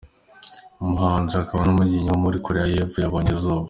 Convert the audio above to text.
Psy, umuhanzi akaba n’umubyinnyi wo muri Koreya y’epfo yabonye izuba.